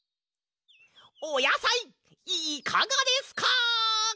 おやさいいかがですか！